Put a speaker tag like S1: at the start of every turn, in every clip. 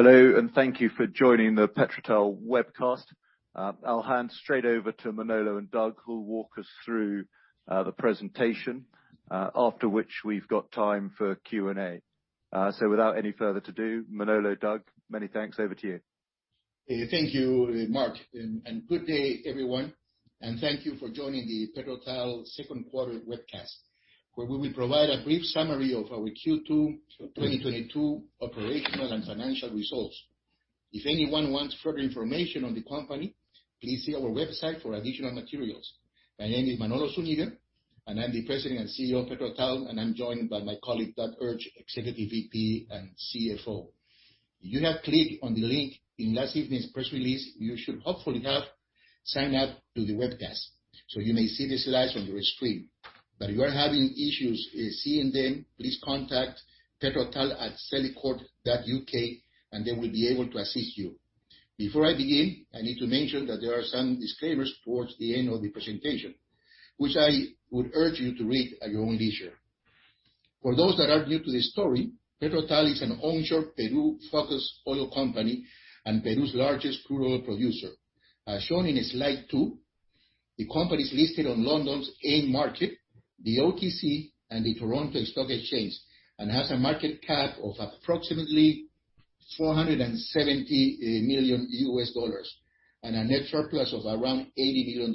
S1: Hello, and thank you for joining the PetroTal webcast. I'll hand straight over to Manolo and Doug, who'll walk us through the presentation, after which we've got time for Q&A. Without any further ado, Manolo, Doug, many thanks. Over to you.
S2: Thank you, Mark, and good day, everyone, and thank you for joining the PetroTal Q2 webcast, where we will provide a brief summary of our Q2, 2022 operational and financial results. If anyone wants further information on the company, please see our website for additional materials. My name is Manolo Zuniga, and I'm the President and CEO of PetroTal, and I'm joined by my colleague, Doug Urch, Executive VP and CFO. If you have clicked on the link in last evening's press release, you should hopefully have signed up to the webcast, so you may see the slides on your screen. If you are having issues seeing them, please contact petrotal@celicourt.uk, and they will be able to assist you. Before I begin, I need to mention that there are some disclaimers towards the end of the presentation, which I would urge you to read at your own leisure. For those that are new to the story, PetroTal is an onshore Peru-focused oil company, and Peru's largest crude oil producer. As shown in slide two, the company is listed on London's AIM market, the OTC, and the Toronto Stock Exchange, and has a market cap of approximately $470 million, and a net surplus of around $80 million.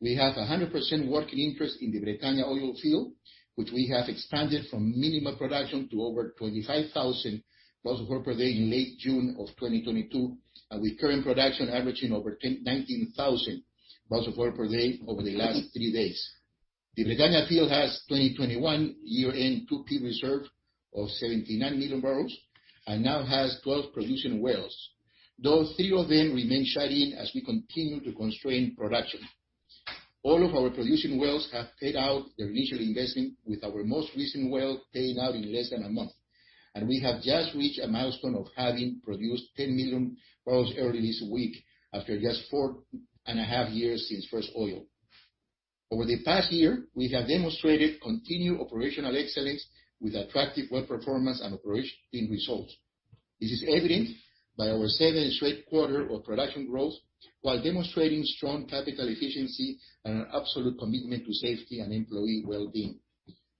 S2: We have a 100% working interest in the Bretaña oil field, which we have expanded from minimal production to over 25,000 barrels of oil per day in late June of 2022, with current production averaging over 19,000 barrels of oil per day over the last three days. The Bretaña field has 2021 year-end 2P reserve of 79 million barrels, and now has 12 producing wells, though three of them remain shut in as we continue to constrain production. All of our producing wells have paid out their initial investment, with our most recent well paying out in less than a month. We have just reached a milestone of having produced 10 million barrels early this week after just 4.5 years since first oil. Over the past year, we have demonstrated continued operational excellence with attractive well performance and operating results. This is evident by our seventh straight quarter of production growth while demonstrating strong capital efficiency and an absolute commitment to safety and employee wellbeing.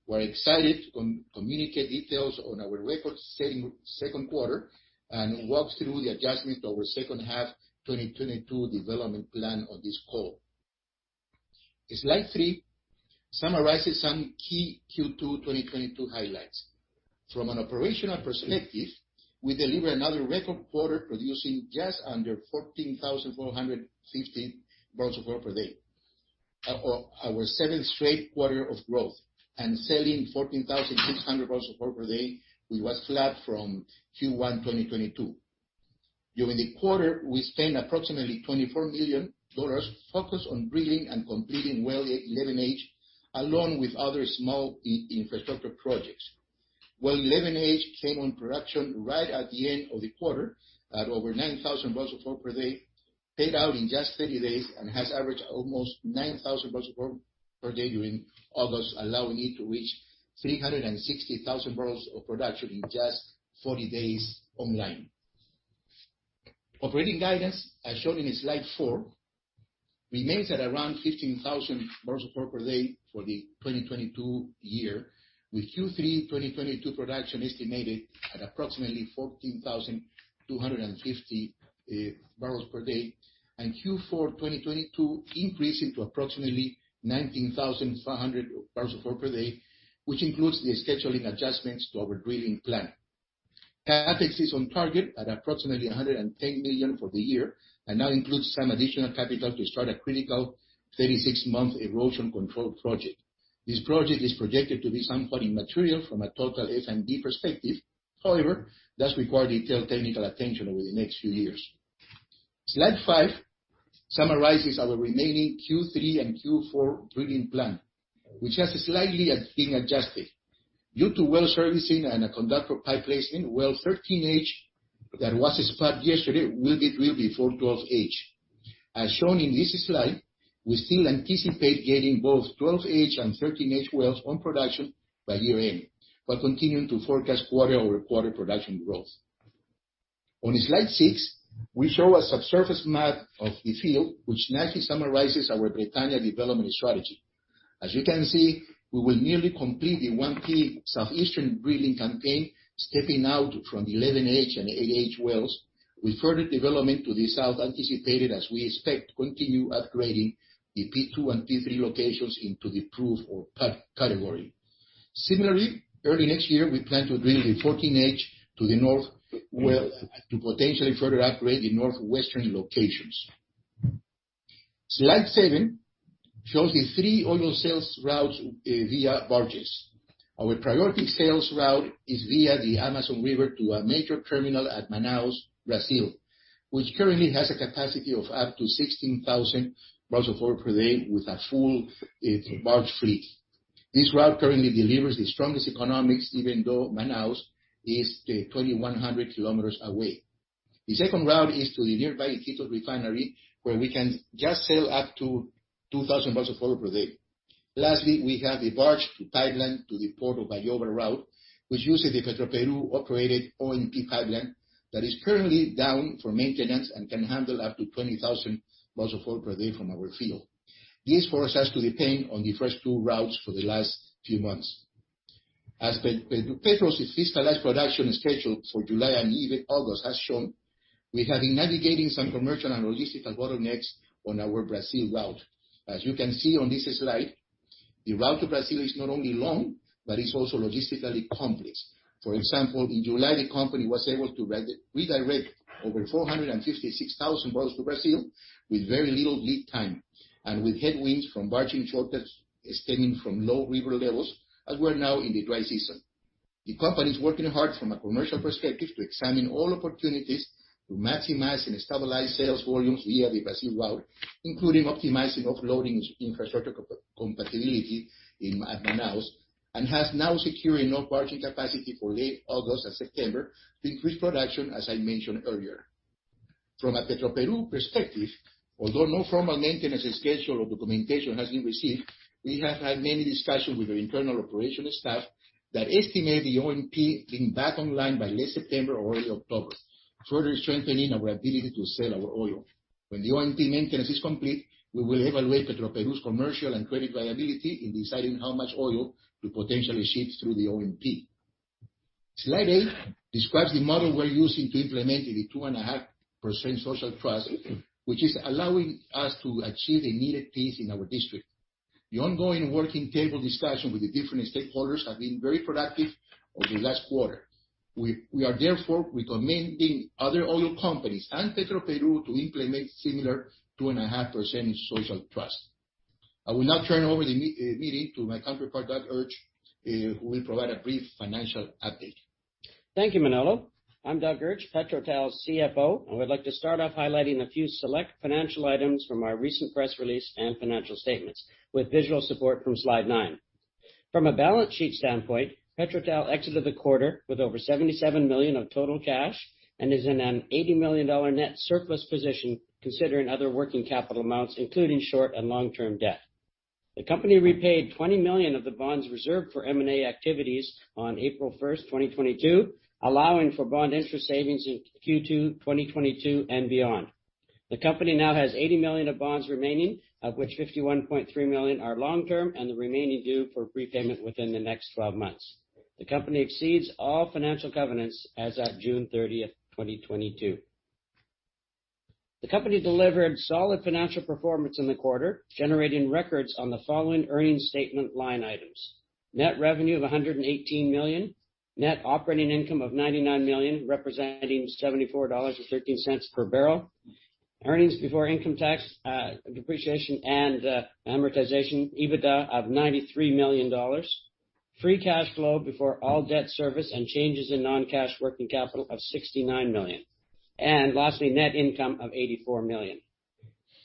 S2: We're excited to communicate details on our record-setting Q2 and walk through the adjustment of our second half 2022 development plan on this call. Slide three summarizes some key Q2 2022 highlights. From an operational perspective, we delivered another record quarter, producing just under 14,450 barrels of oil per day. Our seventh straight quarter of growth and selling 14,600 barrels of oil per day, which was flat from Q1 2022. During the quarter, we spent approximately $24 million focused on drilling and completing well 11H, along with other small infrastructure projects. Well 11H came on production right at the end of the quarter at over 9,000 barrels of oil per day, paid out in just 30 days, and has averaged almost 9,000 barrels of oil per day during August, allowing it to reach 360,000 barrels of production in just 40 days online. Operating guidance, as shown in slide four, remains at around 15,000 barrels of oil per day for the 2022 year, with Q3 2022 production estimated at approximately 14,250 barrels per day, and Q4 2022 increasing to approximately 19,400 barrels of oil per day, which includes the scheduling adjustments to our drilling plan. CapEx is on target at approximately $110 million for the year, and that includes some additional capital to start a critical 36-month erosion control project. This project is projected to be somewhat immaterial from a total F&D perspective, however, does require detailed technical attention over the next few years. Slide five summarizes our remaining Q3 and Q4 drilling plan, which has slightly been adjusted. Due to well servicing and a conductor pipe placement, well 13H that was spudded yesterday will be drilled before 12H. As shown in this slide, we still anticipate getting both 12H and 13H wells on production by year-end. We're continuing to forecast quarter-over-quarter production growth. On slide six, we show a subsurface map of the field, which nicely summarizes our Bretaña development strategy. As you can see, we will nearly complete the 1P Southeastern drilling campaign, stepping out from 11H and 8H wells with further development to the south anticipated as we expect to continue upgrading the P2 and P3 locations into the proved category. Similarly, early next year, we plan to drill the 14H to the north well to potentially further operate the northwestern locations. Slide seven shows the three oil sales routes via barges. Our priority sales route is via the Amazon River to a major terminal at Manaus, Brazil, which currently has a capacity of up to 16,000 barrels of oil per day with a full barge fleet. This route currently delivers the strongest economics, even though Manaus is 2,100 kilometers away. The second route is to the nearby Iquitos refinery, where we can just sell up to 2,000 barrels of oil per day. Lastly, we have the barge to pipeline to the port of Bayóvar route, which uses the Petroperú operated ONP pipeline that is currently down for maintenance and can handle up to 20,000 barrels of oil per day from our field. This force has to depend on the first two routes for the last few months. PetroTal's finalized production schedule for July and even August has shown, we have been navigating some commercial and logistical bottlenecks on our Brazil route. As you can see on this slide, the route to Brazil is not only long, but it's also logistically complex. For example, in July, the company was able to redirect over 456,000 barrels to Brazil with very little lead time and with headwinds from barging shortages stemming from low river levels, as we're now in the dry season. The company is working hard from a commercial perspective to examine all opportunities to maximize and stabilize sales volumes via the Brazil route, including optimizing offloading infrastructure compatibility in Manaus, and has now secured enough barging capacity for late August and September to increase production, as I mentioned earlier. From a Petroperú perspective, although no formal maintenance schedule or documentation has been received, we have had many discussions with the internal operational staff that estimate the OMP being back online by late September or early October, further strengthening our ability to sell our oil. When the OMP maintenance is complete, we will evaluate Petroperú's commercial and credit viability in deciding how much oil to potentially ship through the OMP. Slide eight describes the model we're using to implement the 2.5% social trust, which is allowing us to achieve the needed peace in our district. The ongoing working table discussion with the different stakeholders have been very productive over the last quarter. We are therefore recommending other oil companies and Petroperú to implement similar 2.5% in social trust. I will now turn over the meeting to my counterpart, Douglas Urch, who will provide a brief financial update.
S3: Thank you, Manolo. I'm Doug Urch, PetroTal's CFO. I would like to start off highlighting a few select financial items from our recent press release and financial statements with visual support from slide nine. From a balance sheet standpoint, PetroTal exited the quarter with over $77 million of total cash and is in a $80 million net surplus position considering other working capital amounts, including short and long-term debt. The company repaid $20 million of the bonds reserved for M&A activities on April 1st, 2022, allowing for bond interest savings in Q2 2022 and beyond. The company now has $80 million of bonds remaining, of which $51.3 million are long-term, and the remaining due for prepayment within the next 12 months. The company exceeds all financial covenants as at June 30th, 2022. The company delivered solid financial performance in the quarter, generating records on the following earnings statement line items. Net revenue of $118 million. Net operating income of $99 million, representing $74.13 per barrel. Earnings before income tax, depreciation and, amortization, EBITDA, of $93 million. Free cash flow before all debt service and changes in non-cash working capital of $69 million. Lastly, net income of $84 million.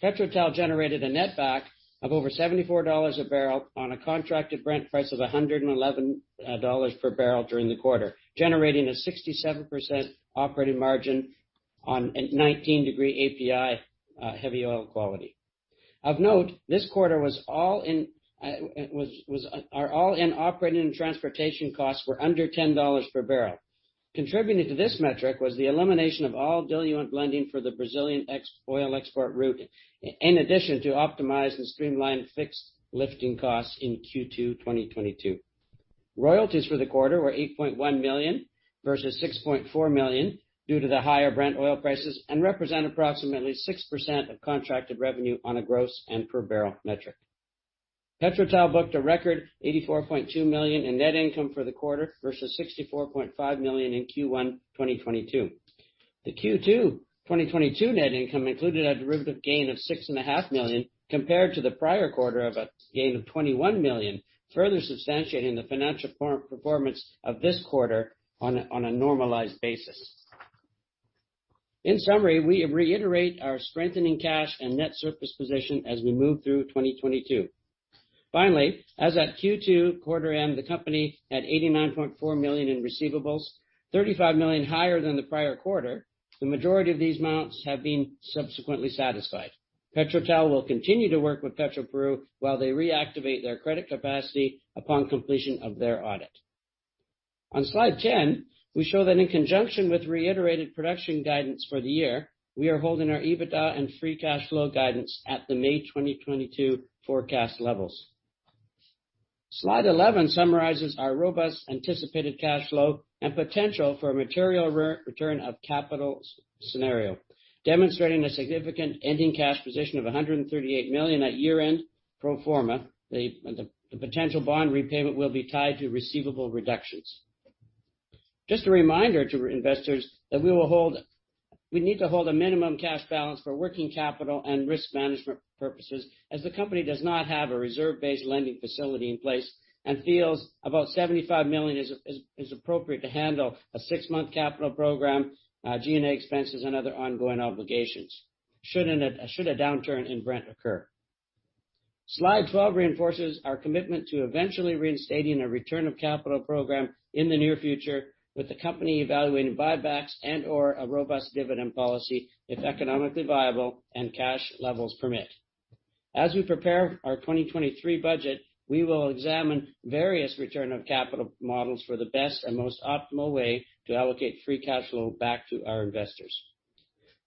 S3: PetroTal generated a netback of over $74 a barrel on a contracted Brent price of $111 per barrel during the quarter, generating a 67% operating margin on 19-degree API heavy oil quality. Of note, this quarter was all in, our all-in operating and transportation costs were under $10 per barrel. Contributing to this metric was the elimination of all diluent blending for the Bretaña oil export route, in addition to optimized and streamlined fixed lifting costs in Q2 2022. Royalties for the quarter were $8.1 million versus $6.4 million due to the higher Brent oil prices, and represent approximately 6% of contracted revenue on a gross and per barrel metric. PetroTal booked a record $84.2 million in net income for the quarter versus $64.5 million in Q1 2022. The Q2 2022 net income included a derivative gain of $6.5 million compared to the prior quarter of a gain of $21 million, further substantiating the financial performance of this quarter on a normalized basis. In summary, we reiterate our strengthening cash and net surplus position as we move through 2022. Finally, as at Q2 quarter end, the company had $89.4 million in receivables, $35 million higher than the prior quarter. The majority of these amounts have been subsequently satisfied. PetroTal will continue to work with Petroperú while they reactivate their credit capacity upon completion of their audit. On slide 10, we show that in conjunction with reiterated production guidance for the year, we are holding our EBITDA and free cash flow guidance at the May 2022 forecast levels. Slide 11 summarizes our robust anticipated cash flow and potential for a material return of capital scenario, demonstrating a significant ending cash position of $138 million at year-end pro forma. The potential bond repayment will be tied to receivable reductions. Just a reminder to investors that we need to hold a minimum cash balance for working capital and risk management purposes, as the company does not have a reserve-based lending facility in place and feels about $75 million is appropriate to handle a six-month capital program, G&A expenses and other ongoing obligations should a downturn in Brent occur. Slide 12 reinforces our commitment to eventually reinstating a return of capital program in the near future with the company evaluating buybacks and/or a robust dividend policy, if economically viable and cash levels permit. As we prepare our 2023 budget, we will examine various return of capital models for the best and most optimal way to allocate free cash flow back to our investors.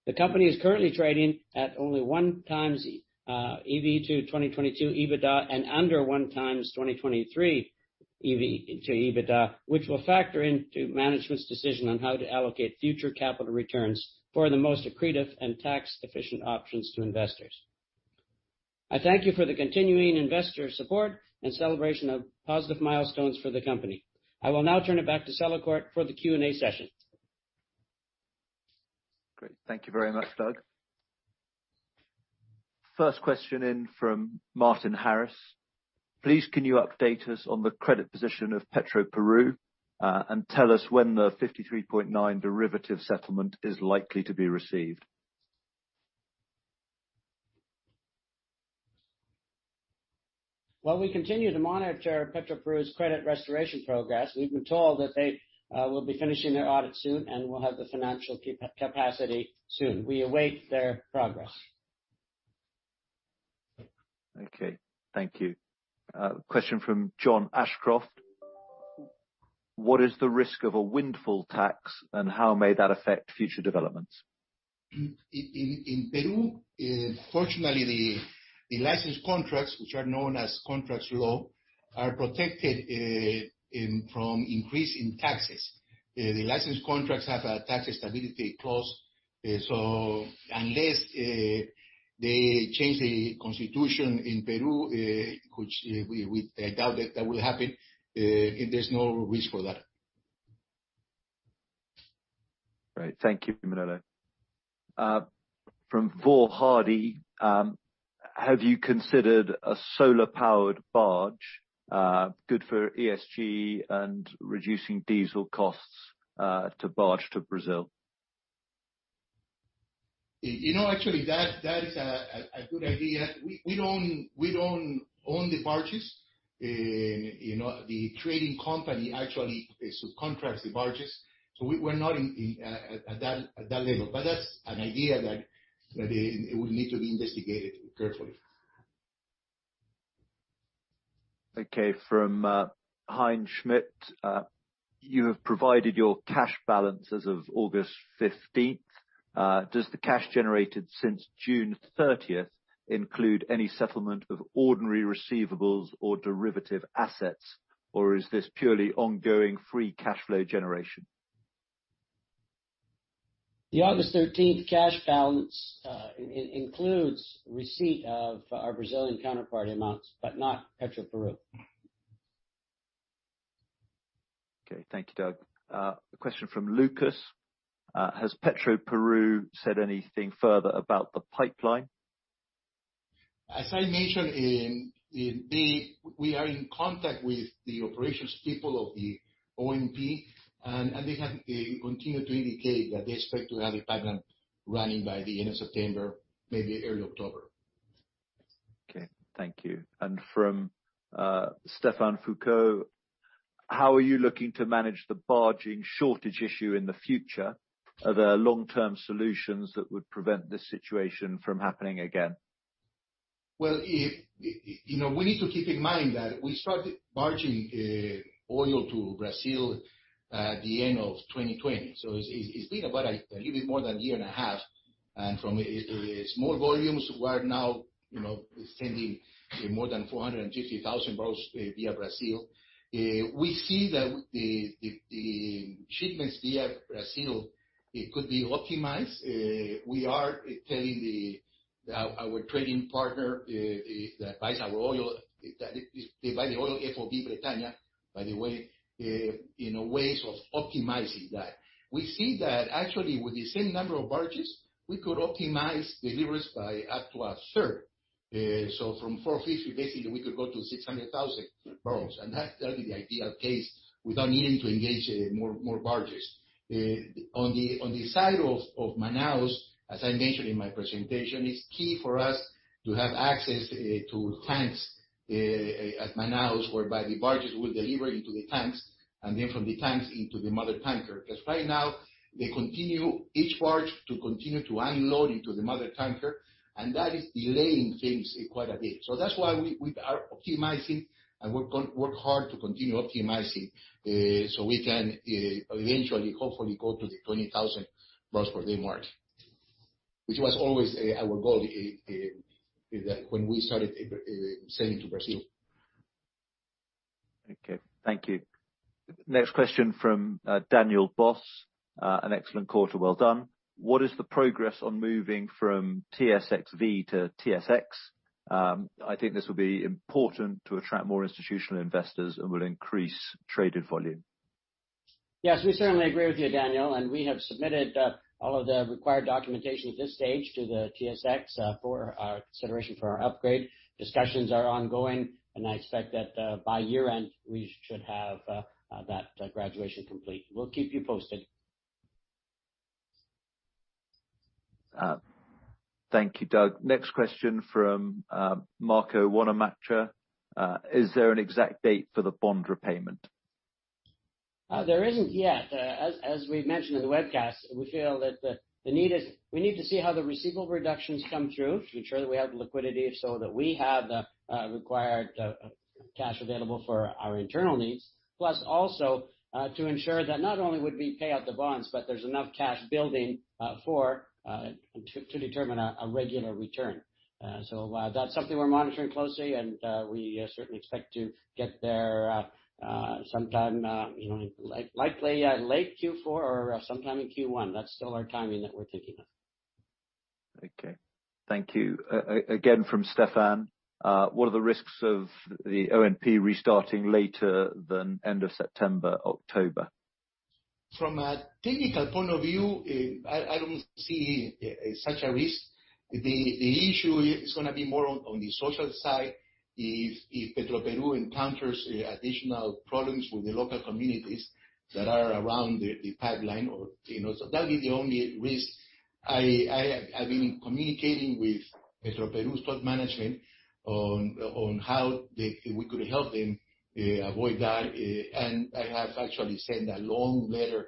S3: The company is currently trading at only one times EV/2022 EBITDA and under one times 2023 EV/EBITDA, which we'll factor into management's decision on how to allocate future capital returns for the most accretive and tax efficient options to investors. I thank you for the continuing investor support and celebration of positive milestones for the company. I will now turn it back to Celicourt for the Q&A session.
S1: Great. Thank you very much, Doug. First question in from Martin Harris. Please, can you update us on the credit position of Petroperú, and tell us when the $53.9 derivative settlement is likely to be received?
S3: Well, we continue to monitor Petroperú's credit restoration progress. We've been told that they will be finishing their audit soon and will have the financial capacity soon. We await their progress.
S1: Okay. Thank you. Question from John Ashcroft. What is the risk of a windfall tax, and how may that affect future developments?
S2: In Peru, fortunately, the license contracts, which are known as contract law, are protected from increase in taxes. The license contracts have a tax stability clause, so unless they change the constitution in Peru, which we doubt that will happen, there's no risk for that.
S1: Right. Thank you, Manolo. From Paul Hardy, have you considered a solar-powered barge, good for ESG and reducing diesel costs, to barge to Brazil?
S2: You know, actually that is a good idea. We don't own the barges. You know, the trading company actually subcontracts the barges. We're not in at that level, but that's an idea that it would need to be investigated carefully.
S1: Okay, from Heinz Schmidt, you have provided your cash balance as of August 15th. Does the cash generated since June 30th include any settlement of ordinary receivables or derivative assets, or is this purely ongoing free cash flow generation?
S3: The August 13th cash balance includes receipt of our Brazilian counterpart amounts, but not Petroperú.
S1: Okay. Thank you, Doug. A question from Lucas. Has Petroperú said anything further about the pipeline?
S2: We are in contact with the operations people of the OMP, and they have continued to indicate that they expect to have the pipeline running by the end of September, maybe early October.
S1: Okay. Thank you. From Stefan Foucault, how are you looking to manage the barging shortage issue in the future? Are there long-term solutions that would prevent this situation from happening again?
S2: You know, we need to keep in mind that we started barging oil to Brazil at the end of 2020. It's been about a little bit more than a year and a half. From small volumes, we are now, you know, sending more than 450,000 barrels via Brazil. We see that the shipments via Brazil could be optimized. We are telling our trading partner that buys our oil that they buy the oil FOB Bretaña, by the way, in ways of optimizing that. We see that actually with the same number of barges, we could optimize deliveries by up to a third. From 450, basically, we could go to 600,000 barrels. That's actually the ideal case without needing to engage more barges. On the side of Manaus, as I mentioned in my presentation, it's key for us to have access to tanks at Manaus, whereby the barges will deliver into the tanks and then from the tanks into the mother tanker. Because right now each barge continues to unload into the mother tanker, and that is delaying things quite a bit. That's why we are optimizing and work hard to continue optimizing, so we can eventually, hopefully go to the 20,000 barrels per day mark, which was always our goal when we started selling to Brazil.
S1: Okay. Thank you. Next question from Daniel Boss. An excellent quarter. Well done. What is the progress on moving from TSXV to TSX? I think this will be important to attract more institutional investors and will increase traded volume.
S3: Yes, we certainly agree with you, Daniel, and we have submitted all of the required documentation at this stage to the TSX for consideration for our upgrade. Discussions are ongoing, and I expect that by year-end, we should have that graduation complete. We'll keep you posted.
S1: Thank you, Doug. Next question from Marco Wannemacher. "Is there an exact date for the bond repayment?
S3: There isn't yet. As we've mentioned in the webcast, we feel that the need is. We need to see how the receivable reductions come through to ensure that we have the liquidity so that we have the required cash available for our internal needs. Plus also, to ensure that not only would we pay out the bonds, but there's enough cash building for to determine a regular return. That's something we're monitoring closely, and we certainly expect to get there sometime, you know, like, likely late Q4 or sometime in Q1. That's still our timing that we're thinking of.
S1: Okay. Thank you. Again from Stefan, "What are the risks of the OMP restarting later than end of September, October?
S2: From a technical point of view, I don't see such a risk. The issue is gonna be more on the social side, if Petroperú encounters additional problems with the local communities that are around the pipeline or, you know. That'd be the only risk. I've been communicating with Petroperú's top management on how we could help them avoid that. I have actually sent a long letter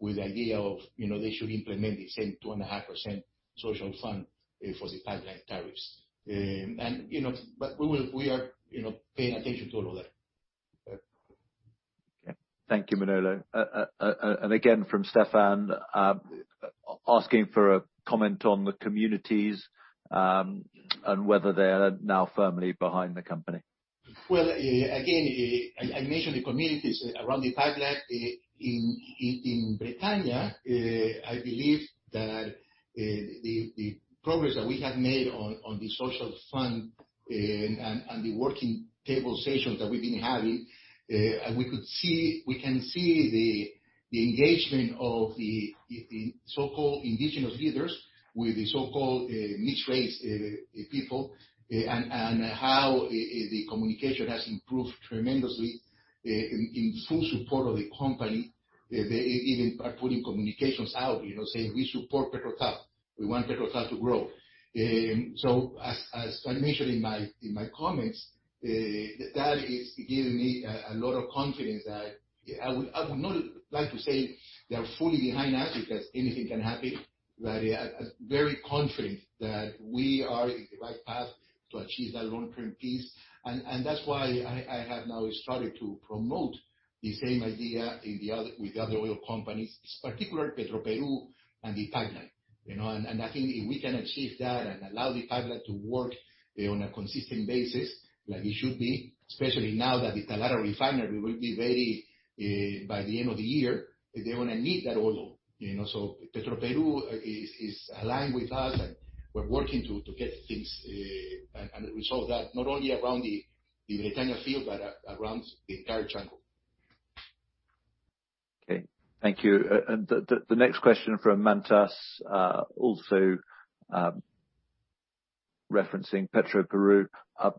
S2: with the idea of, you know, they should implement the same 2.5% social fund for the pipeline tariffs. We are, you know, paying attention to all of that.
S1: Okay. Thank you, Manolo. Again from Stefan, asking for a comment on the communities, and whether they are now firmly behind the company.
S2: Well, again, I mentioned the communities around the pipeline in Bretaña. I believe that the progress that we have made on the social fund and the working table sessions that we've been having, and we can see the engagement of the so-called indigenous leaders with the so-called mixed race people, and how the communication has improved tremendously in full support of the company. They even are putting communications out, you know, saying, "We support PetroTal. We want PetroTal to grow." As I mentioned in my comments, that is giving me a lot of confidence that I would not like to say they're fully behind us because anything can happen. I'm very confident that we are in the right path to achieve that long-term peace. That's why I have now started to promote the same idea in the other oil companies, particularly Petroperú and the pipeline, you know. I think if we can achieve that and allow the pipeline to work on a consistent basis like it should be, especially now that the Talara refinery will be ready by the end of the year, they're gonna need that oil, you know. Petroperú is aligned with us, and we're working to get things and a result that not only around the Bretaña field but around the entire jungle.
S1: Okay. Thank you. The next question from Mantas, also referencing Petroperú.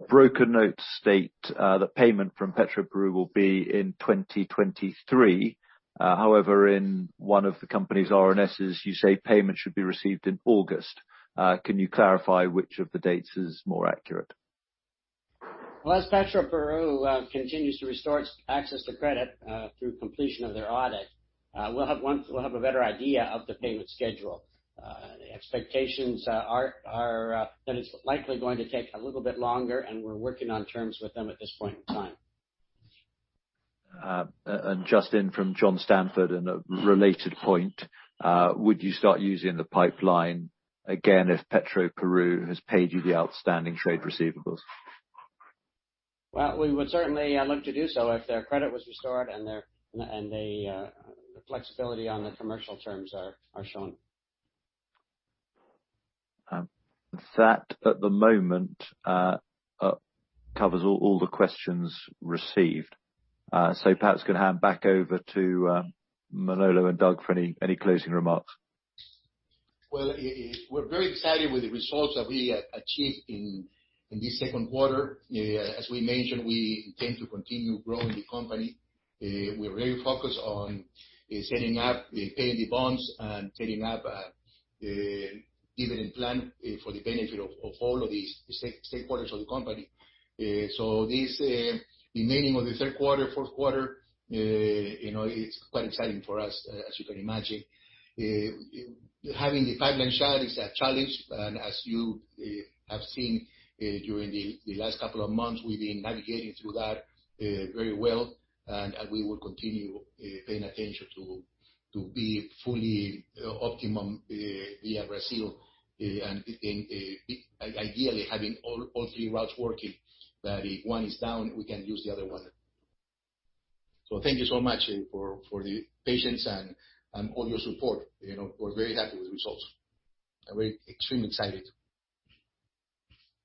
S1: Broker notes state that payment from Petroperú will be in 2023. However, in one of the company's RNSs, you say payment should be received in August. Can you clarify which of the dates is more accurate?
S3: Well, as Petroperú continues to restore access to credit through completion of their audit, we'll have once we'll have a better idea of the payment schedule. The expectations are that it's likely going to take a little bit longer, and we're working on terms with them at this point in time.
S1: Justin from John Stanford, and a related point, would you start using the pipeline again if Petroperú has paid you the outstanding trade receivables?
S3: Well, we would certainly look to do so if their credit was restored and the flexibility on the commercial terms are shown.
S1: That at the moment covers all the questions received. Perhaps gonna hand back over to Manolo and Doug for any closing remarks.
S2: Well, we're very excited with the results that we achieved in this Q2. As we mentioned, we intend to continue growing the company. We're very focused on paying the bonds and setting up a dividend plan for the benefit of all of the stakeholders of the company. The beginning of the Q3, Q4, you know, it's quite exciting for us, as you can imagine. Having the pipeline shut is a challenge, and as you have seen, during the last couple of months, we've been navigating through that very well. We will continue paying attention to be fully optimum via Brazil. Ideally having all three routes working. That if one is down, we can use the other one. Thank you so much for the patience and all your support. You know, we're very happy with the results, and we're extremely excited.